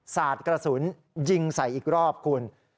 สาดกระสุนยิงใส่อีกรอบคุณ